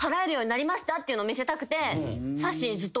っていうの見せたくて。